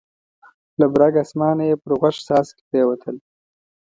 له برګ اسمانه یې پر غوږ څاڅکي پرېوتل.